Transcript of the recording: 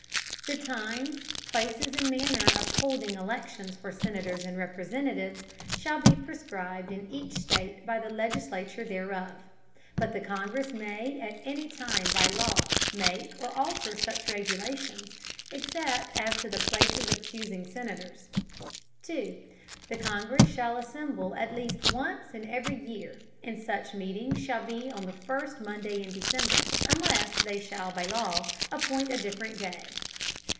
The Times, Places and Manner of holding Elections for Senators and Representatives, shall be prescribed in each State by the Legislature thereof; but the Congress may at any time by Law make or alter such Regulations, except as to the Places of chusing Senators. The Congress shall assemble at least once in every Year, and such Meeting shall be on the first Monday in December, unless they shall by Law appoint a different Day.